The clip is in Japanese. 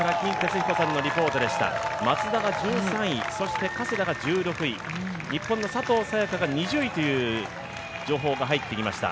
松田が１３位、加世田が１６位、日本の佐藤早也伽が２０位という情報が入ってきました。